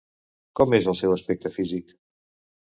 Com és el seu aspecte físic?